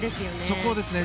そこですね。